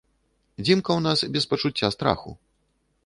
Дзімка ў нас без пачуцця страху.